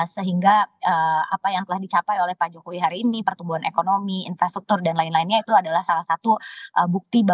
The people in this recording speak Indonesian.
sehingga apa yang telah dicapai oleh pak jokowi hari ini pertumbuhan ekonomi infrastruktur dan lain lainnya itu adalah salah satu bukti